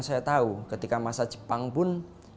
saya tahu ketika masa jepang pun